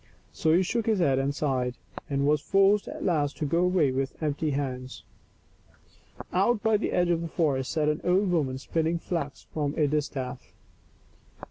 So he shook his head and sighed, and was forced at last to go away with empty hands. Out by the edge of the forest sat an old woman spinning flax from a distaff.